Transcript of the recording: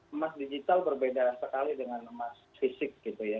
emas digital berbeda sekali dengan emas fisik gitu ya